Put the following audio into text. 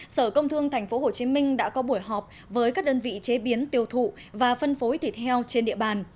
sở công thương tp hcm đã có buổi họp với các đơn vị chế biến tiêu thụ và phân phối thịt heo trên địa bàn